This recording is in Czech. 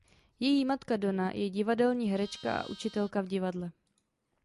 Její matka Donna je divadelní herečka a učitelka v divadle.